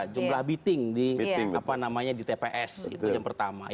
jumlah meeting di tps itu yang pertama